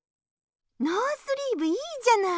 ノースリーブいいじゃない！